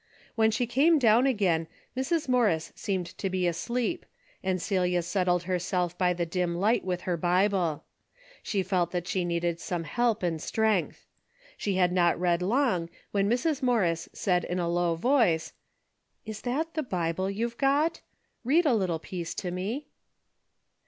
When she came down again Mrs. Morris seemed to be asleep, and Celia settled herself by the dim light with her Bible. She felt that she needed some help and strength. She had not read long when Mrs. Morris said in a low voice, '' Is that the Bible you've got ? Bead a little piece to me."